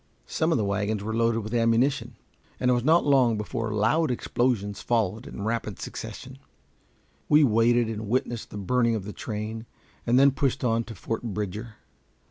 Some of the wagons were loaded with ammunition, and it was not long before loud explosions followed in rapid succession. We waited and witnessed the burning of the train, and then pushed on to Fort Bridger.